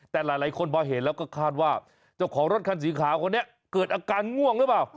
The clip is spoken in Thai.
แต่หลายคนพอเห็นแล้วก็คาดว่าเจ้าของรถคันสีขาวคนนี้เกิดอาการง่วงหรือเปล่า